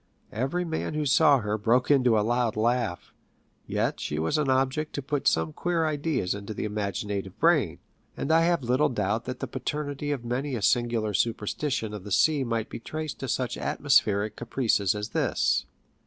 Every man who saw her broke into a loud laugh ; yet she was an object to put PICTURES AT SEA. 73 some qneer ideas into the imaginative brain, and I have little doubt that the paternity of many a singular superstition of the sea might be traced to such atmo spheric caprices as this.